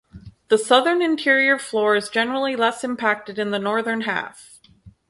The southern interior floor is generally less impacted in the northern half.